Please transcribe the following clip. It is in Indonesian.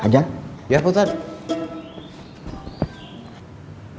ya pak ustadz